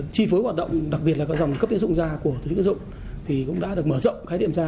chi phối hoạt động đặc biệt là dòng cấp tiến dụng ra của tổ chức tiến dụng thì cũng đã được mở rộng khái niệm ra